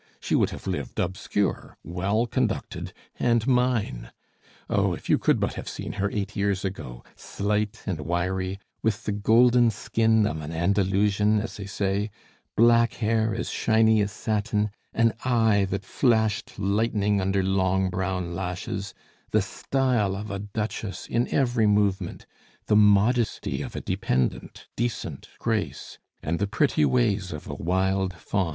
She would have lived obscure, well conducted, and mine. Oh! if you could but have seen her eight years ago, slight and wiry, with the golden skin of an Andalusian, as they say, black hair as shiny as satin, an eye that flashed lightning under long brown lashes, the style of a duchess in every movement, the modesty of a dependent, decent grace, and the pretty ways of a wild fawn.